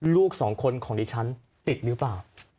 ลูกสองคนของดิฉันติดหรือเปล่า